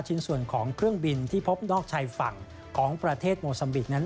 ส่วนของเครื่องบินที่พบนอกชายฝั่งของประเทศโมซัมบิกนั้น